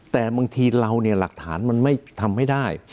แต่บางทีเราเนี่ยหลักฐานมันไม่ทำให้ได้